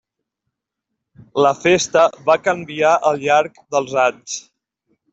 La festa va canviar al llarg dels anys.